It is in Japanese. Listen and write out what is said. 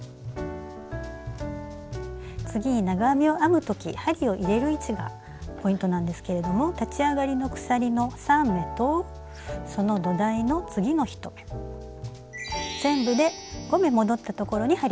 次に長編みを編む時針を入れる位置がポイントなんですけれども立ち上がりの鎖の３目とその土台の次の１目全部で５目戻ったところに針を入れます。